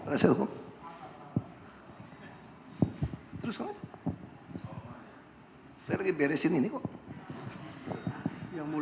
apakah staff saudara saksi ketika itu